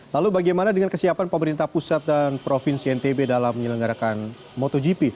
lalu bagaimana dengan kesiapan pemerintah pusat dan provinsi ntb dalam menyelenggarakan motogp